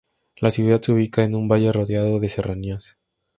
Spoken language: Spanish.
La ciudad se ubica en un valle rodeado de serranías.